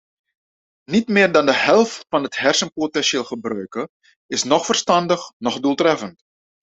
Niet meer dan de helft van het hersenpotentieel gebruiken, is noch verstandig noch doeltreffend.